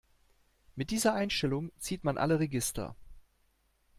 Mit dieser Einstellung zieht man alle Register.